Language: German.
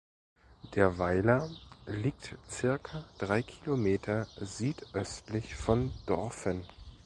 Der Weiler liegt circa drei Kilometer südöstlich von Dorfen.